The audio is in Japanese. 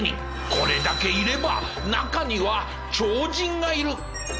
これだけいれば中には超人がいる。